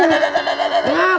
tidak tidak tidak tidak tidak